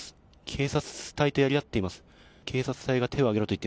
警察隊とやり合っています。